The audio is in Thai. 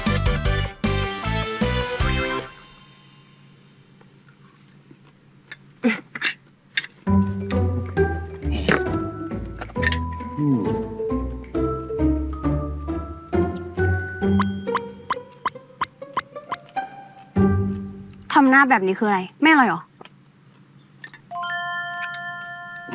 ทำหน้าแบบนี้คืออะไรไม่อร่อยเหรอ